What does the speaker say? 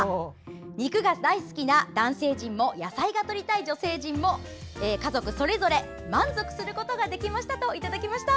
肉が大好きな男性陣も野菜がとりたい女性陣も家族それぞれ満足することができました」といただきました。